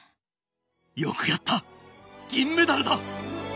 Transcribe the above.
よくやった銀メダルだ。